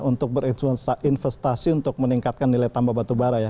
untuk berinvestasi untuk meningkatkan nilai tambah batu bara ya